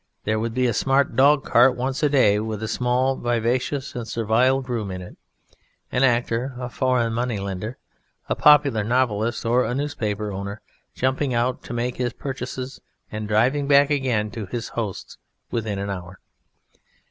There would be a smart dog cart once a day with a small (vicious and servile) groom in it, an actor, a foreign money lender, a popular novelist, or a newspaper owner jumping out to make his purchases and driving back again to his host's within the hour.